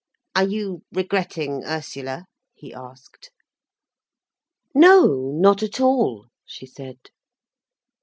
"Are you regretting Ursula?" he asked. "No, not at all," she said.